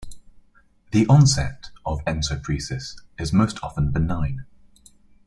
The onset of encopresis is most often benign.